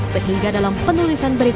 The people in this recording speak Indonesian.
sehingga dalam penulisan buku ini